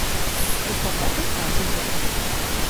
Esta tarde ás seis e cuarto.